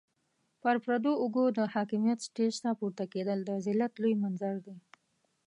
پر پردو اوږو د حاکميت سټېج ته پورته کېدل د ذلت لوی منظر دی.